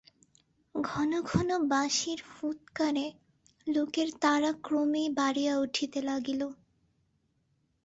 ঘন ঘন বাঁশির ফুৎকারে লোকের তাড়া ক্রমেই বাড়িয়া উঠিতে লাগিল।